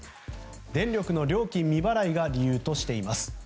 電力の料金未払いが理由としています。